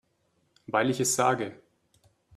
Weil ich es sage.